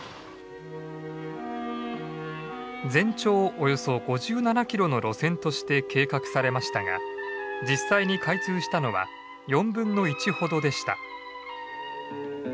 およそ５７キロの路線として計画されましたが実際に開通したのは４分の１ほどでした。